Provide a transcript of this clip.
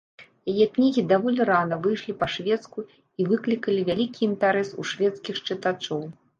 Яе кнігі даволі рана выйшлі па-шведску і выклікалі вялікі інтарэс у шведскіх чытачоў.